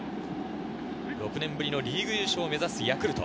６年ぶりのリーグ優勝を目指すヤクルト。